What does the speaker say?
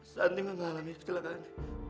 santi mengalami kecelakaan